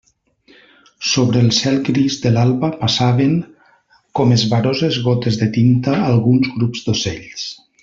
Sobre el cel gris de l'alba passaven, com esvaroses gotes de tinta, alguns grups d'ocells.